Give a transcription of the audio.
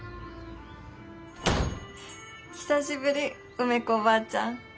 久しぶり梅子ばあちゃん。